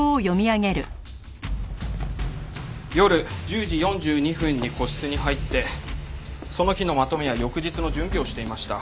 夜１０時４２分に個室に入ってその日のまとめや翌日の準備をしていました。